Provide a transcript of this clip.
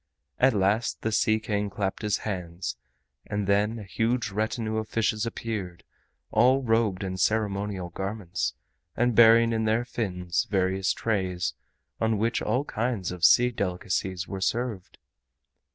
At last the Sea King clapped his hands, and then a huge retinue of fishes appeared, all robed in ceremonial garments, and bearing in their fins various trays on which all kinds of sea delicacies were served.